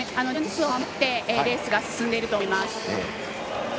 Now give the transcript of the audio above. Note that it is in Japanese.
自分のペースを守ってレースが進んでいると思います。